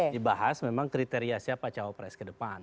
dibahas memang kriteria siapa cawapres kedepan